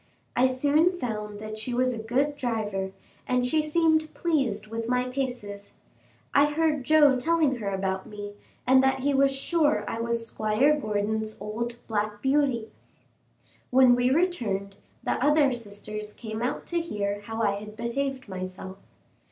I soon found that she was a good driver, and she seemed pleased with my paces. I heard Joe telling her about me, and that he was sure I was Squire Gordon's old "Black Beauty." When we returned, the other sisters came out to hear how I had behaved myself.